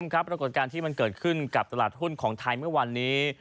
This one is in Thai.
ปรากฏการณ์ที่มันเกิดขึ้นกับตลาดหุ้นของไทยเมื่อวานนี้